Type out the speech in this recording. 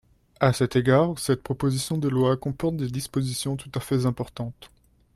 À cet égard, cette proposition de loi comporte des dispositions tout à fait importantes.